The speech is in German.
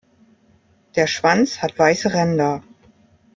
Der Schwanz hat weiße Ränder.